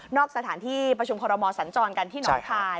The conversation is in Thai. สถานที่ประชุมคอรมอสัญจรกันที่หนองคาย